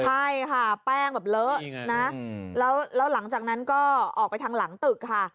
ใช่ค่ะแป้งแบบเลอะนะแล้วหลังจากนั้นก็ออกไปทางหลังตึกค่ะ